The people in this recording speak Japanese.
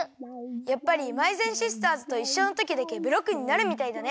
やっぱりまいぜんシスターズといっしょのときだけブロックになるみたいだね。